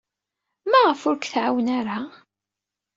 Maɣef ur k-tɛawen ara?